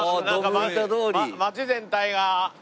街全体が。